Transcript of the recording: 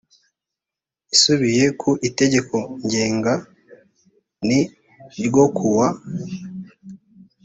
isubiye ku itegeko ngenga n ryo kuwa